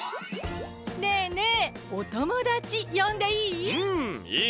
ねえねえおともだちよんでいい？